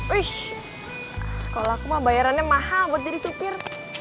wish kalau aku mah bayarannya mahal buat jadi supir